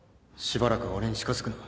しばらく俺に近づくな